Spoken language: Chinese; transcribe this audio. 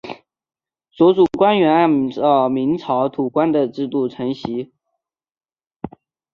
所属官员按照明朝土官的制度承袭。